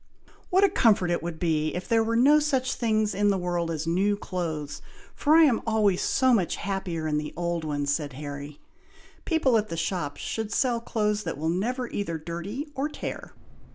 "What a comfort it would be, if there were no such things in the world as 'new clothes,' for I am always so much happier in the old ones," said Harry. "People at the shops should sell clothes that will never either dirty or tear!"